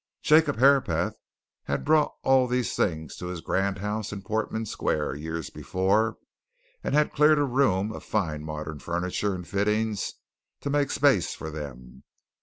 Jacob Herapath had brought all these things to his grand house in Portman Square years before, and had cleared a room of fine modern furniture and fittings to make space for them.